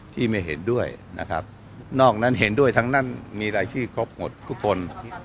ที่ไม่เห็นด้วยนะครับนอกนั้นเห็นด้วยทั้งนั้นมีรายชื่อครบหมดทุกคน